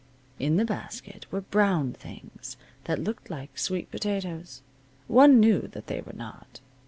In the basket were brown things that looked like sweet potatoes. One knew that they were not.